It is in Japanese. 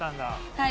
はい。